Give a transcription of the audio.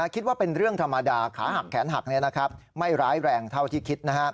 คิดว่าเป็นเรื่องธรรมดาขาหักแขนหักไม่ร้ายแรงเท่าที่คิด